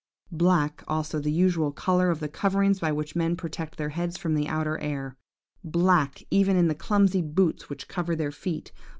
"Black also the usual colour of the coverings with which men protect their heads from the outer air. Black even the clumsy boots which cover their feet.